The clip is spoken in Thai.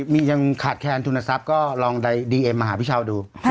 มียังขาดแคนทุนทรัพย์ก็ลองดีเอ็มมาหาพี่เช้าดู